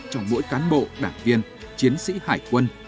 trong mỗi cán bộ đảng viên chiến sĩ hải quân